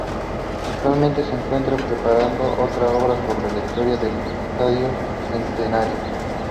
Actualmente se encuentra preparando otra obra sobre la Historia del Estadio Centenario.